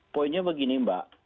poinnya begini mbak